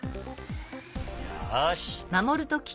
よし！